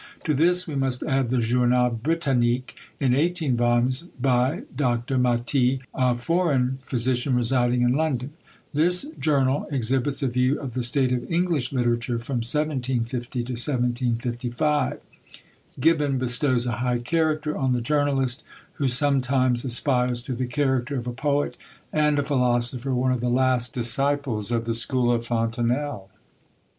to this we must add the Journal Britannique, in 18 vols., by Dr. MATY, a foreign physician residing in London; this Journal exhibits a view of the state of English literature from 1750 to 1755. GIBBON bestows a high character on the journalist, who sometimes "aspires to the character of a poet and a philosopher; one of the last disciples of the school of Fontenelle."